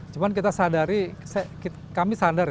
cuma kita sadari kami sadar ya